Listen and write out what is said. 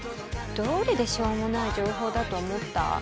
どうりでしょうもない情報だと思った。